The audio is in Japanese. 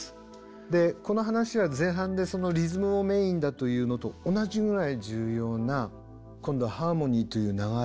でこの話は前半でリズムをメインだというのと同じぐらい重要な今度はハーモニーという流れ。